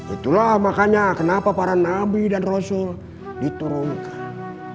itulah makanya kenapa para nabi dan rasul diturunkan